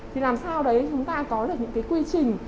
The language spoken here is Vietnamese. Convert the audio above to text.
thì làm sao đấy chúng ta có được những cái quy trình